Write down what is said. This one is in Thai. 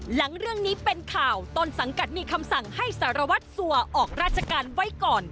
หลังเรื่องนี้เป็นข่าวต้นสังกัดมีคำสั่งให้สารวัตรสัวออกราชการไว้ก่อน